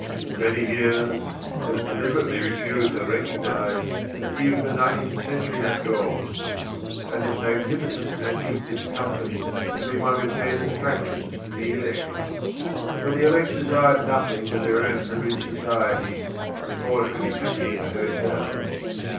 For many years it had deliberately refused to recognise that even the Nineteenth Century had dawned, and its magnificent antique discomfort had been one of its main attractions to the elect. For the elect desired nothing but their own privileged society in order to be happy in a hotel.